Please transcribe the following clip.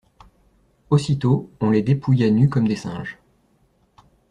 Aussitôt on les dépouilla nus comme des singes.